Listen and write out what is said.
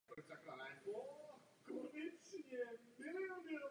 V příznivých letech má druh až tři generace.